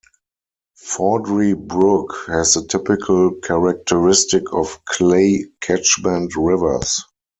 Foudry Brook has the typical characteristic of clay catchment rivers.